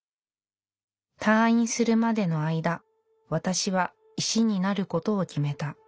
「退院するまでの間私は石になることを決めた」。